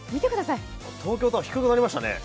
東京タワー低くなりましたね。